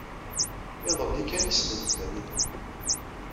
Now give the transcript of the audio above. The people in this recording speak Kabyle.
Iḍelli kan ay ssnent Dalila.